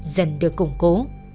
dần được củng cố